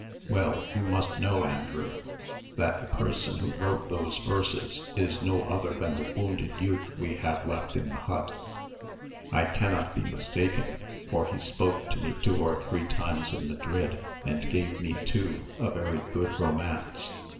"Well, you must know, Andrew, that the person who wrote those verses is no other than the wounded youth we have left in the hut. I cannot be mistaken, for he spoke to me two or three times in Madrid, and gave me too a very good romance.